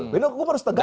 bila hukum harus tegakkan